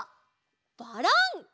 バラン。